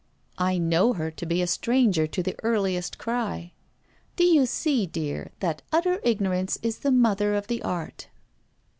I know her to be a stranger to the earliest cry. So you see, dear, that utter ignorance is the mother of the Art.